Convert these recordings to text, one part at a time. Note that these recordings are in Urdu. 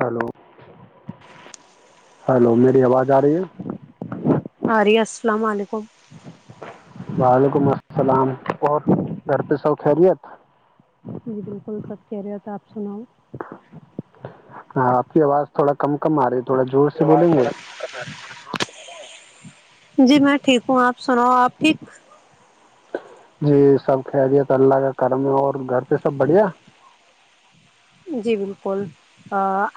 ہلو [inaudible] ہیلو میری آواز آ رہی ہے ارہی ہے السلام علیکم خوب وعلیکم السلام اور گھر پہ سب خیریت جی بالکل کب کہہ رہے تھا آپ سناؤ ہاں آپ کی آواز تھوڑا کم کم آ رہی تھوڑا زور سے بولیں گے جی میں ٹھیک ہوں آپ سناؤ آپ ٹھیک جی سب خیریت اللہ کا کرم اور گھر پہ سب بڑھیا جی بالکل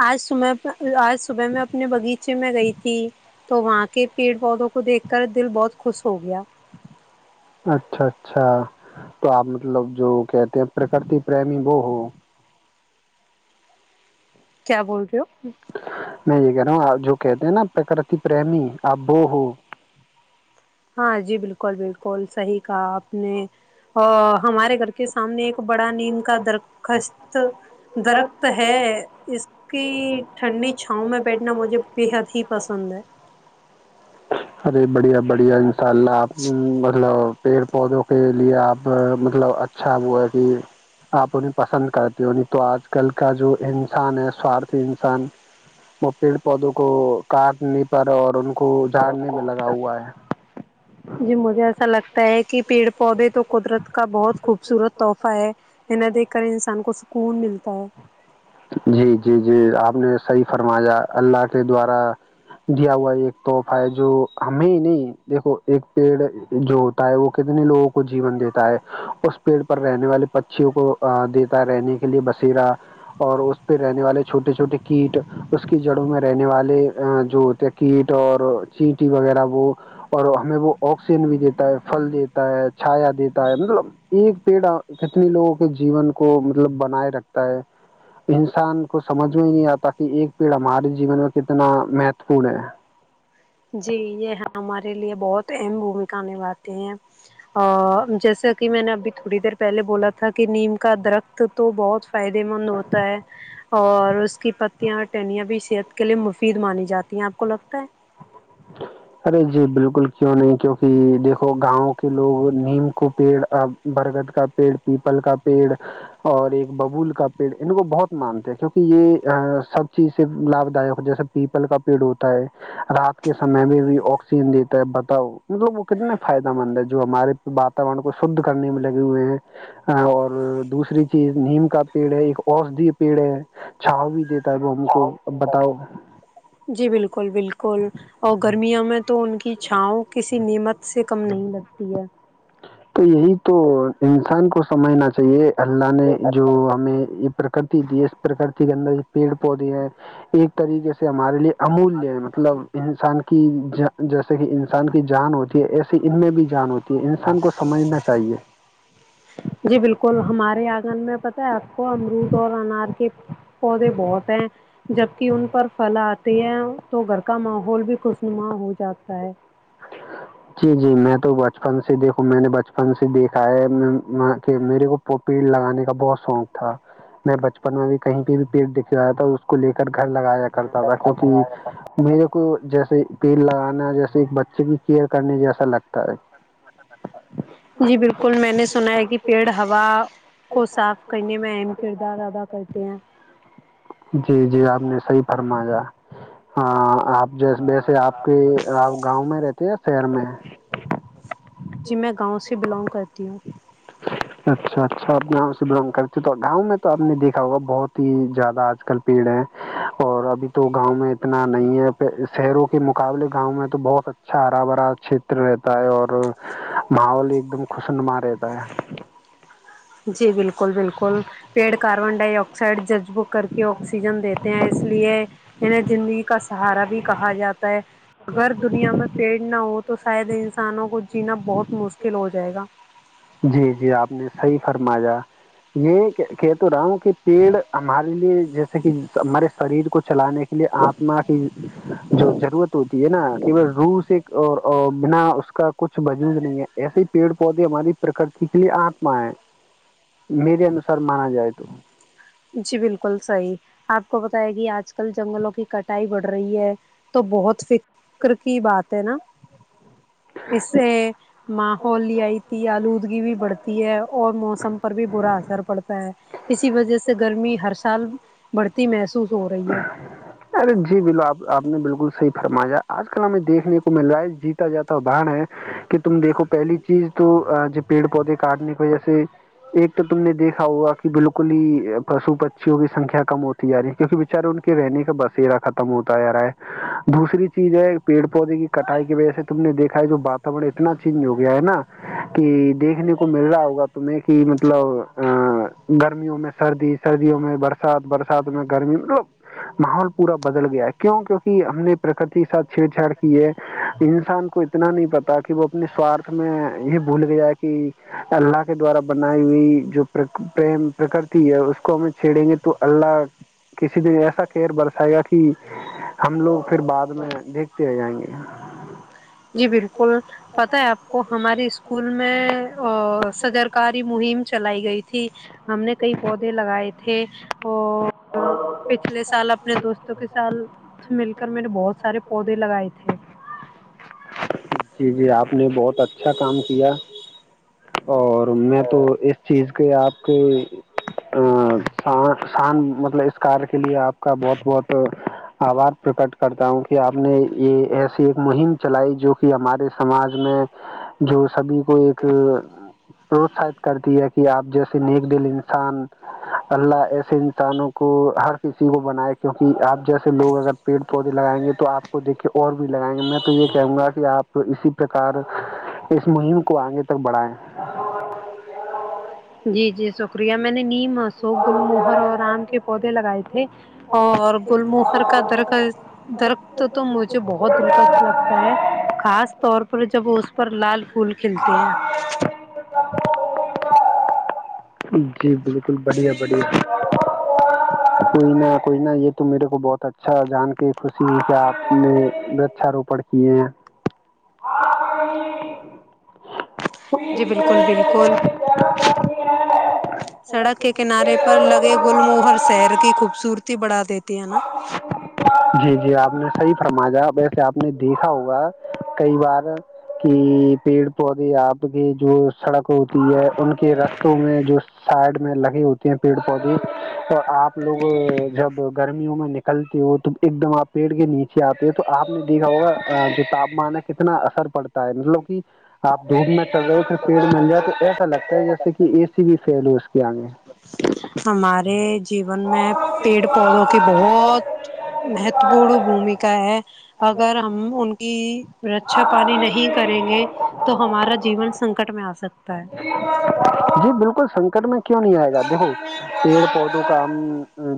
آج صبح آج صبح میں اپنے باغیچے میں گئی تھی تو وہاں کے پیڑ پودوں کو دیکھ کر دل بہت خوش ہو گیا اچھا اچھا تو آپ مطلب جو کہتے ہیں پرکرتی پریمی وہ ہو کیا بول رہے ہو نہیں یہ کہنا [unintelligible] جو کہتے ہیں نا پرکرتی پریمی [unintelligible] ابو ہو [unintelligible] ہاں جی بالکل بالکل [unintelligible] کال صحیح کہا آپ نے [unintelligible] ا ہمارے گھر کے سامنے ایک بڑا نیم کا درخست درخت ہے اس کی ٹھنڈی چھاؤ میں بیٹھنا مجھے بےحد ہی پسند ہے بڑھیا [unintelligible] ت مطلب پیڑ پودوں کے [unintelligible] لیے آپ مطلب اچھا ہو ہے کہ آپ انہیں پسند کرتے ہویں تو آج کل کا جو انسان ہے سوارتھی انسان وہ پیڑ پودوں کو کاٹنے پر اور ان [unintelligible] کو جھاڑنے میں لگا ہوا ہے [unintelligible] جی مجھے ایسا لگتا ہے ایک [unintelligible] کہ پیڑ پودے تو قدرت کا بہت خوبصورت تحفہ ہے انیں دیکھ کر انسان کو سکون ملتا ہے آپ نے صحیح فرمایا اللہ کے دوارا دیا ہوا ایک توحفہ ہے جو ہمیں ہی نہیں دیکھو ایک پیڑ جو ہوتا ہے وہ [unintelligible] کتنے لوگوں کو جیون دیتا ہے اس پیڑ پر رہنے والے پچیوں کو دیتا ہے رہنے کے لیے بسیرا اور اس پہ رہنے والے چھوٹے چھوٹے کیٹ اس کی جڑوں میں رہنے والے جو ہوتے ہیں کیٹ اور چینٹی وغیرہ وہ اور ہمیں وہ آکسیجن بھی دیتا ہے پھل دی تا ہے چھایا دیتا ہے مطلب ایک پیڑ کتنے لوگوں کے جیون کو مطلب بنائے رکھتا ہے انسان کو سمجھ میں ہی نہیں آتا کہ ایک پیڑ ہمارے جیون میں کتنا مہتوپورن ہے جی یہ ہے ہمارے لیے بہت اہم بھومکا نبھاتے ہیں ا جیسا کہ میں نے ابھی تھوڑی دیر پہلے بولا تھا کہ نیم کا درخت تو بہت فائدے مند ہوتا ہے اور اس کی پتیاں اور ٹینیاں بھی صحت کے لیے مفید مانی جاتی ہیں آپ کو لگتا ہے ارے جی بالکل وں نے کیونکہ دیکھو گاؤں کہ لوگ نیم کو پیڑ برگد کا پیڑ پیپل کا پیڑ اور ایک ببول کا پیڑ ان کو بہت مانتے ہیں کیوںکہ یہ سب چیز سے لابھ داک جیسے پیپل کا پیڑ ہوتا ہے رات کے سمے میں بھی آکسیجن دیتا ہے ب تاؤ مطلب وہ کتنے فائدہ مند ہے وااتاورن کو شھ کرنے میں لگے ہوئے ہیں اور دوسری چیز نیم کا پیڑ ہے ایک اشد پیڑ ہے چھاؤ بھی دیتا ہے وہ ہم کو اب بتاؤ تو یہی تو انسان کو سمجھنا یہ اللہ نے جو ہمیں یہ پرکرتی دی ہے اس پرکرتی کے اندر پیڑ پودے ہیں ایک طریقے سے ہمارے لیے امولیہ ہے مطلب انسان کے کہ ج جیسے کہ انسان کی جان ہوتی ہے ایس ان میں بھی جان ہو جی بالکل ہمارے آنگن میں پت ہے آپ کو امرود اور انار کے پودے بہت ہیں جبک ان پر پھل آتے ہیں تو گھر کا ماحول بھی خوشنما ہو جاتا ہے جی میں تو ب بچپن سے دیکھوں میں نے بچپن سے دیکھا ہے کہ میرے کو پیڑ لگانے کبت شوق تھا میں بچپن میں بھی کہیں پہ بھی پیڑ د آیا تھا اس کو لے کر گھر لگایا کرتا تھا کیوںکہ میرے کو جیسے پیڑ لگانا جیسے ایک بچے کی کیئر کرنی جیسا لگتا ہے جی بالکل میں نے سنا ہے کہ پیڑ ہوا کو صاف کرنے میں اہم کردار ادا کرتے ہیں جی جی آپ نے صحیح فرمایاا آپ جیس ویسے آپ کے آپ گاؤں میں رہتے ہیں شییر میں جی میں گاؤں سے بلونگ کرتی ہوں اچھا اچھا س یہاں سے بلانگ کرتے تھ [unintelligible] گاؤں میں تو آپ نے دیکھا ہوگا بہت ہی زیادہ آج کل پیڑ ہے [unintelligible] اور ابھی تو گاؤں میں اتنا نہیں ہے شہروں کے مقابلے گاؤں میں تو بہت اچھا ہرا بھرا چھیتر رہتا ہے اور ماحول ایک دم خوشنما رہتا [unintelligible] تا [inaudible] جی بالکل بالکل پیڑ کاربن ڈائی آکسائڈ جذبو کر کے آکسیجن دیتے ہیں اس لیے انہیں زندگی کا سہارا بھی کہا جاتا ہے اگر دنیا میں پیڑ نہ ہو تو شاید انسانوں کو جینا بہت [unintelligible] مشکل ہو جائے گا [unintelligible] جی جی آپ نے صحیح [unintelligible] فرمایا [unintelligible] یہ کیت راام [unintelligible] کہ پیڑ ہمارے لیے جس [unintelligible] مر [inaudible] شریر کچھ [inaudible] چلانے کے لیے آتما کی جو ضرورت ہوتی ہے نا کی روس ایک بنا [unintelligible] کا [inaudible] کچ مجوود نہیں ہے [unintelligible] ایسے ہی پیڑ پودے ہماری پرک کے لیے آپ [unintelligible] بائے [inaudible] میرے انوسار مانا جائے تو [unintelligible] جی بالکل صحیح آپ کو بتائے گی آج کل جنگلوں کی کٹائی بڑھ رہی ہے تو بہت فکر کی بات ہے نا اس سے ماحول آئی تھی آلودگی بھی بڑھتی ہے اور موسم پر بھی برا اثر پڑتا ہے اسی وجہ سے ارے جی بلو آپ آپ [inaudible] نے بالکل صحی فرمایا آج کل ہمیں دیکنے کو مل رہا ہے جیتا جاتا ادہرن ہے [unintelligible] کہ تم دیکھو پہلی چیز تو جو پیڑ پودے کاٹنے کی وجہ سے ایک تو تم نے دیکھا ہوا کہ بالکل پشو پکچوں کی سکھیا کم ہوتی جا رہی ہے کیکہ بچارے ان کے رہنے کا بسیرا ختم ہوتا جا رہا ہے دوسری چیز ہے پیڑ پودے کی کٹائی کی وجہ سے تم نے دیکھا جو واتاور اتنا چینج ہو گیا ہے نا کہ دیکھنے کو مل رہا ہوگا تمہیں کہ مطلب گرمیوں میں سردی سردیوں میں برسات برسات میں گرمی مطلب ماحول پورا بدل گیا کیوں کیوں کہ ہم نے پرکتی کے ساتھ چھیڑ چھاڑ کی ہے انسان کو اتنا نہیں پتا کہ وہ اپنے سوارھ میں یہ بھول گیا ہے کہ اللہ کے دوارا بنائی ہوئی جوریم پرکرتی ہے اس کو ہمیں چھیڑیں گے تو اللہ کسی دن ایسا کہر برسائے گا کہ ہم لوگ پھر بعد میں دیکھ پ ہو جائیں گے [unintelligible] جی بالکل پت ہے آپ کو ہمارے اسکول میں سجرکاری مہم چلائی گئی تھی ٹھیک [unintelligible] ہم نے کئی پودے لگائے تھے اور پچھلے سال اپنے دوستوں کے ساتھ مل کر میں نے بہت سارے پودے لگائے تھے جی جی آپ نے بہت اچھا کام کیا اور میں تو اس چیز کے آپ کے شان مطلب اس کار کے لیے آپ کا بہت بہت آبھار پرکٹ کرتا ہوں کہ آپ نے یہ ایسی ایک مہم چلائی جو کہ ہمارے سماج میں جو سبھی کو ایک پروتساہت کرتی ہے کہ آپ جیسے نیک دل انسان اللہ ایسے انسانوں کو ہر کسی کو بنائے کیوںکہ آپ جیسے لوگ اگر پیڑ پودے لگائیں گے تو آپ کو دیکھے اور بھی لگائیں گے میں تو یہ کہوں گا کہ آپ اسی پرکار اس مہم کو آگے تک بڑھائائے جی جی شکریہ میں نے نیم [unintelligible] سو گل موہر اور آم کے پودے لگائے تھے اور گل موہر کا درخت درخت تو مجھے بہت دلکش لگتا ہے خاص طور پر جب اس پر لال [inaudible] [inaudible] جی بالکل بڑھیا کوئی ن کوئی نہ یہ تو میرے کو بہت اچھا جان کے خوشی کہ آپ نےچھ روپڑ کیے ہیں [inaudible] ج [unintelligible] سڑک کے کنارے پر لگے گل موہر شہر کی خوبصورتی بڑا دیتی جی جی آپ نے صحی فرمایا ویسے آپ نے دیکھا ہوگا کئی بار کہ پیڑ پودے آپ کی جو سڑک ہوتی ہے ان کے رستوں میں جو سائڈ میں لگی ہوتی ہیں پیڑ پودے اور آپ لوگ جب گرمیوں میں نکلتے ہو تو ایک دم آپ پیڑ کے نیچے آتے ہو تو آپ نے دیکھا ہوگا جو تاپمان ہے کتنا اثر پڑتا ہے مطلب کہ آپ دھوپ میں چل رہے ہو پھر پیڑ مل جائے تو ایسا لگتا ہے جیسے کہ اے سی بھی فیل ہو اس کے آگے ہمارے جیون میں پیڑ پودوں کا بہت مہتو پورن بھومکا ہے اگر ہم ان کی رچھا پانی نہیں کریں گے تو ہمارا جیون سنکٹ میں آ سکتا ہے سنکٹ میں کیوں نہیں آئے گا دیکھو پیڑ پودوں کا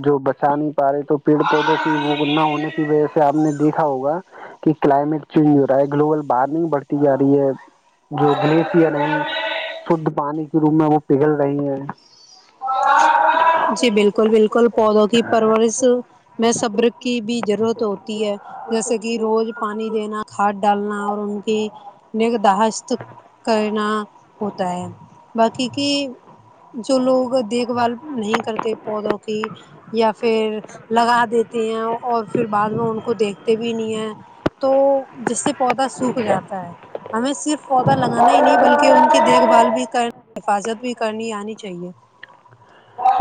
جو ب چا نہیں پا رہے تو پیڑ پودوں کی وہ نہ ہونے کی وجہ سے آپ نے دیکھ ہوگا کہ کلائمیٹ چینج ہو رہا ہے گلوبل وارمنگ بڑھ ت جا رہی ہے جو گلیشئر ہیں شدھ پانی کے اس روم میں وہ پگھل رہی ہے جی بالکل بالکل پودوں کی پرورورش میں سبر کی بھی ضرورت ہوتی ہے جیسے کہ روز پانی دینا کھاد ڈالنا اور ان کی نداشت کرنا ہوتا ہے باقی کی جو لوگ دیکھ بھال نہیں رتے پودوں کی یا پھر لگا دیتے ہیں اور پھر بعد میں ان کو دیکھتے بھی نہیں ہیں تو جس سے پودا سوکھ جاتا ہے ہمیں صرف پودا لگانا ہی نہیں بلکہ ان کی دیکھ بھال بھی کر حفاظت بھی کرنی آنی چاہیے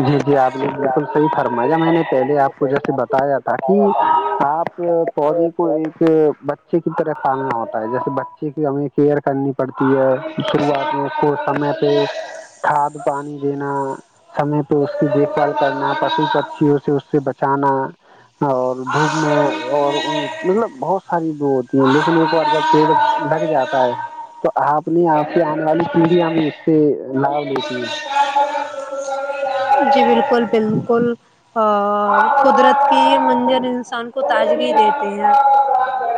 جی جی آپ نے بالکل صحیح فرمایا ج میں نے پہلے آپ کو جیسے بتایا تھا کہ آپ پودے کو ایک بچے کی طرح پالنا ہوتا ہے جیسے بچے کی ہمیں کیئر کرنی پڑتی ہے شروعات میں اس کو سمے پہ کھاد پانی دینا سم پہ اس کی دیکھ بھال کرنا پشو پکھیوں سے اس سے بچا چانا اور دھوپ میں اور مطلب بہت ساری ہوتی ہیں لیکن ایک بار جب پیڑ لگ جاتا ہے تو آپ نے آفتے آنے والی پیڑھیاں بھی اس سے لھ لیتی ہیں جی بالکل بالکل اور قدرت کی منجر انسان کو تاجگی دیتے ہیں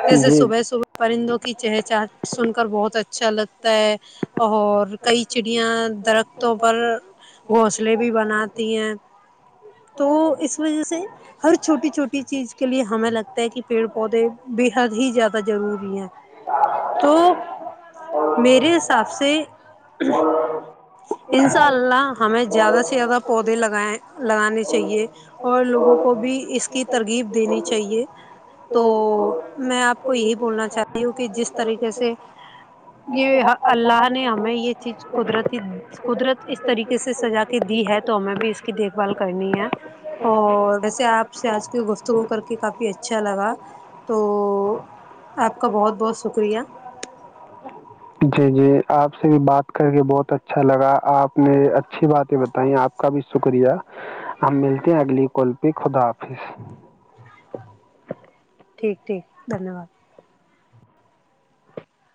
جیسے صبح صبح پرندوں کی چہچہ سن کر بہت اچھا لگتا ہے اور کئی چڑیاں درختوں پر گھونسلے بھی بنا تو اس وجہ سے ہر چھوٹی چھوٹی چیز کے لیے ہمیں لگتا ہے کہ ج مری انشاء اللہ ہمیں زیادہ سے زیادہ پودے لگائے لگانے چاہیے اور لوگوں کو بھی اس کی ترغیب دینی چاہیے ا کو یہی بولنا چاہی ہوں کہ جس طریقے سے یہ اللہ نے ہمیں یہ چیز قدرتی قدرت اس طریقے سے سجا کے دی ہے تو ہمیں بھی اس کی دیکھ بھال کریں سے آپ کافی اچھا لگا تو آپ کا بہت د خکری ہے جی جی آپ سے بھی بات کر کے بہت اچھا لگا آپ نے اچھی باتیں بتائی آپ کا بھی شکریہ ہم ملتے ہیں اگلی کال پہ خدا حافظ ٹھیک ٹھیک دھنیہ واد